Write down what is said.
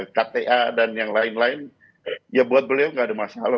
kta dan yang lain lain ya buat beliau nggak ada masalah